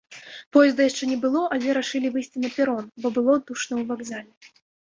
Поезда яшчэ не было, але рашылі выйсці на перон, бо было душна ў вакзале.